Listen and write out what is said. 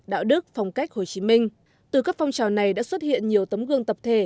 đạo đức phong cách hồ chí minh từ các phong trào này đã xuất hiện nhiều tấm gương tập thể